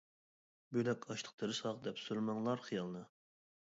بۆلەك ئاشلىق تېرىساق، دەپ سۈرمەڭلار خىيالنى.